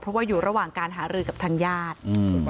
เพราะว่าอยู่ระหว่างการหารือกับทางญาติอืม